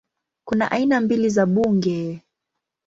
Kuna aina mbili za bunge